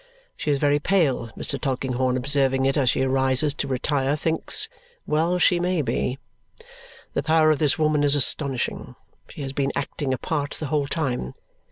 She is very pale. Mr. Tulkinghorn, observing it as she rises to retire, thinks, "Well she may be! The power of this woman is astonishing. She has been acting a part the whole time."